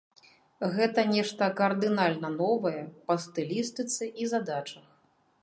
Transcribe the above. Гэта нешта кардынальна новае па стылістыцы і задачах.